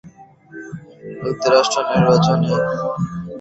যুক্তরাষ্ট্রের নির্বাচনী আইন অনুযায়ী ইলেকটোরেট ভোটাররা দুটি করে ভোট দিয়েছেন।